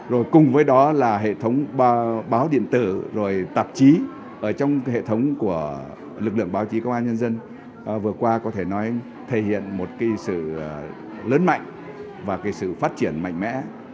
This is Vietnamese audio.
rồi cùng với đó là hệ thống báo điện tử rồi tạp chí ở trong hệ thống của lực lượng báo chí công an nhân dân vừa qua có thể nói thể hiện một cái sự lớn mạnh và cái sự phát triển mạnh mẽ